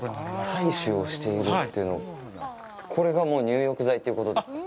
採取をしているというのはこれがもう入浴剤ということですか？